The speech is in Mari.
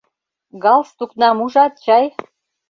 — Галстукнам ужат чай?